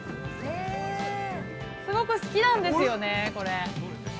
すごく好きなんですよね、これ。